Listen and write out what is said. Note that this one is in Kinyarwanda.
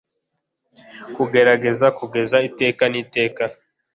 kugaragara kugeza iteka n'iteka.